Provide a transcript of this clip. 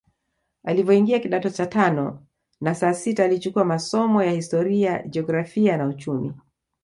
Alivyoingia kidato cha tano na sita alichukua masomo ya historia jiografia na uchumi